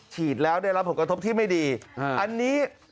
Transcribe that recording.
ฉีดแล้วได้รับผลกระทบที่ไม่ดีอันนี้